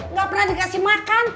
nggak pernah dikasih makan